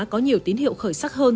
có nhiều tín hiệu khởi sắc hơn